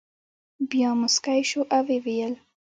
بیا مسکی شو او ویې ویل.